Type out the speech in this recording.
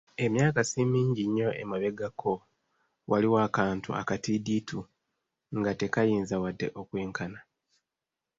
Emyaka si mingi nnyo emabegako waliwo akantu akatiddiitu nga tekayinza wadde okwenkana